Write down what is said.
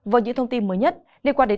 với những thông tin mới nhất liên quan đến